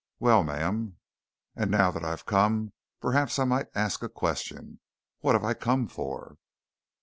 Well, ma'am, and now that I've come, perhaps I might ask a question. What have I come for?"